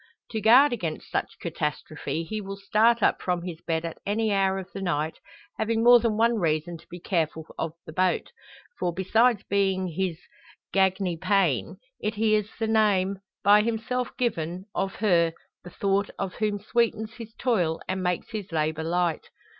To guard against such catastrophe he will start up from his bed at any hour of the night, having more than one reason to be careful of the boat; for, besides being his gagne pain, it hears the name, by himself given, of her the thought of whom sweetens his toil and makes his labour light.